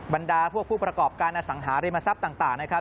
บรรดาพวกผู้ประกอบการอสังหาริมทรัพย์ต่างนะครับ